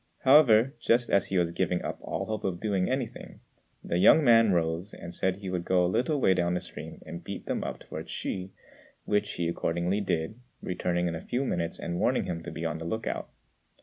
However, just as he was giving up all hope of doing anything, the young man rose and said he would go a little way down the stream and beat them up towards Hsü, which he accordingly did, returning in a few minutes and warning him to be on the look out.